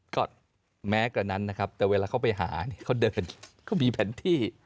ก็แม้กว่านั้นนะครับแต่เวลาเขาไปหาเนี่ยเขาเดินเขามีแผนที่